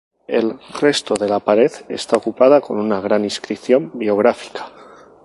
El resto de la pared está ocupada con una gran inscripción biográfica.